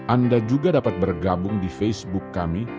anda juga dapat bergabung di facebook kami